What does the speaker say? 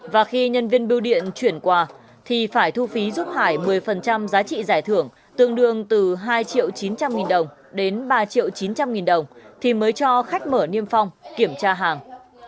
và khi nhân viên biêu điện chuyển quà thì phải thu phí giúp hải một mươi giá trị giải thưởng tương đương từ hai triệu chín trăm linh nghìn đồng đến ba triệu chín trăm linh nghìn đồng thì mới cho khách mở niêm phong kiểm tra hàng